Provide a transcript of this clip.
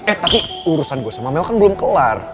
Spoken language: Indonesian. eh tapi urusan gue sama mel kan belum kelar